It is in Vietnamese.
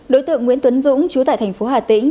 đối tượng nguyễn tuấn dũng chú tại thành phố hà tĩnh